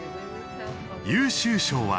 優秀賞は。